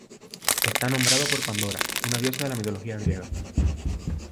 Está nombrado por Pandora, una diosa de la mitología griega.